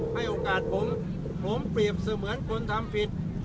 ให้โอกาสผมผมเปรียบเสมือนคนทำผิด